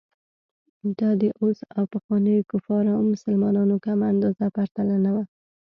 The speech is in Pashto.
دا د اوس او پخوانیو کفارو او مسلمانانو کمه اندازه پرتلنه وه.